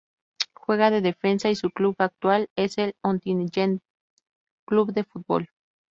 Juega de Defensa y su club actual es el Ontinyent Club de Futbol.